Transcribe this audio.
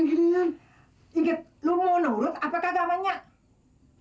gedean inget lu mau nurut apa kagak banyak